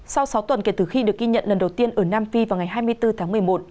sau sáu tuần kể từ khi được ghi nhận lần đầu tiên ở nam phi vào ngày hai mươi bốn tháng một mươi một